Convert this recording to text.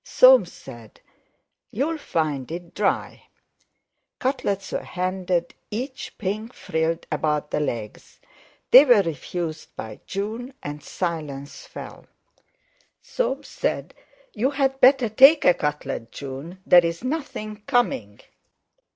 Soames said: "You'll find it dry." Cutlets were handed, each pink frilled about the legs. They were refused by June, and silence fell. Soames said: "You'd better take a cutlet, June; there's nothing coming."